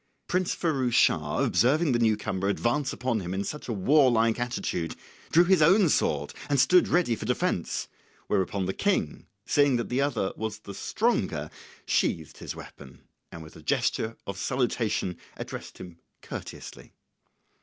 Prince Firouz Schah observing the new comer advance upon him in a warlike attitude, drew his own sword and stood ready for defence; whereupon the King, seeing that the other was the stronger, sheathed his weapon, and with a gesture of salutation addressed him courteously.